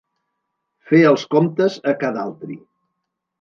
Fer els comptes a ca d'altri.